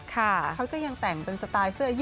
เขาก็จะแต่งเป็นสไตล์